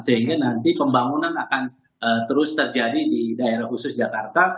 sehingga nanti pembangunan akan terus terjadi di daerah khusus jakarta